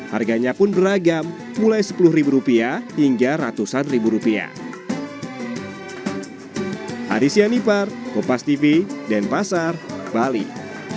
harganya pun beragam mulai sepuluh ribu rupiah hingga ratusan ribu rupiah